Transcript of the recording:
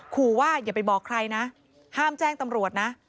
ขอว่าอย่าไปบอกใครนะห้ามแจ้งตำรวจนะ